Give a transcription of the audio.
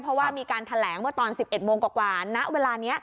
เพราะว่ามีการแถลงเมื่อตอน๑๑โมงกว่าณเวลานี้